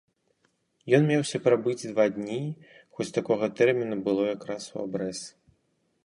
Ён меўся прабыць два дні, хоць такога тэрміну было якраз у абрэз.